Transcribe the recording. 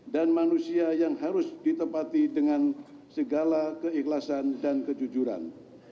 dan manusia yang harus ditempati dengan segala keikhlasan dan kejujuran